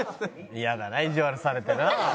嫌だな意地悪されてな。